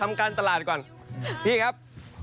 การตลาดก่อนพี่ครับ